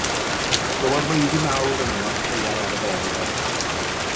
Clywodd weiddi mawr yn un o'r caeau ar y dde iddo.